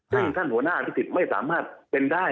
ซึ่งท่านหัวหน้าอภิษฎไม่สามารถเป็นได้